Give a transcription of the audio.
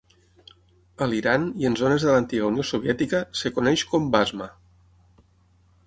A l'Iran i en zones de l'antiga Unió Soviètica es coneix com basma.